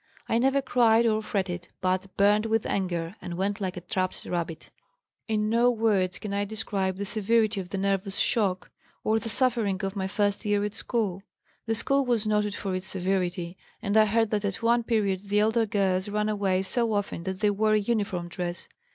I never cried or fretted, but burnt with anger and went like a trapped rabbit. "In no words can I describe the severity of the nervous shock, or the suffering of my first year at school. The school was noted for its severity and I heard that at one period the elder girls ran away so often that they wore a uniform dress.